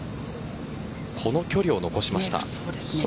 この距離を残しました。